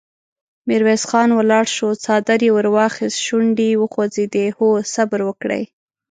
ميرويس خان ولاړ شو، څادر يې ور واخيست، شونډې يې وخوځېدې: هو! صبر وکړئ!